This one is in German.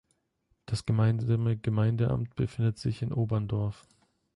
Das gemeinsame Gemeindeamt befindet sich in Oberndorf.